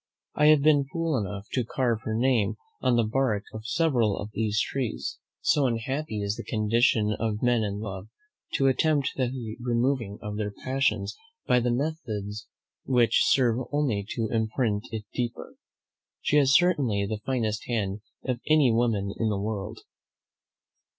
I have been fool enough to carve her name on the bark of several of these trees; so unhappy is the condition of men in love, to attempt the removing of their passions by the methods which serve only to imprint it deeper. She has certainly the finest hand of any woman in the world."